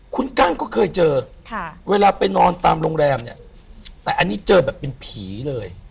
คุณกั้งก็เคยเจอเวลาไปนอนตามโรงแรมเนี่ยแต่อันนี้เจอแบบเป็นผีเลย